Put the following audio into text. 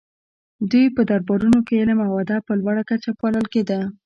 د دوی په دربارونو کې علم او ادب په لوړه کچه پالل کیده